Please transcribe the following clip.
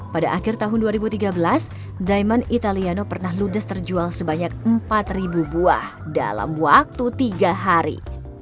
pada akhir tahun dua ribu tiga belas diamond italiano pernah ludes terjual sebanyak empat buah dalam waktu tiga hari